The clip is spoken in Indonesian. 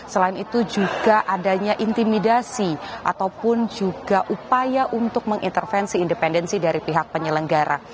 selain itu juga adanya intimidasi ataupun juga upaya untuk mengintervensi independensi dari pihak penyelenggara